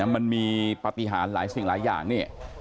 มันมีปฏิหารหลายสิ่งหลายอย่างนี่